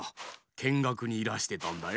けんがくにいらしてたんだよ。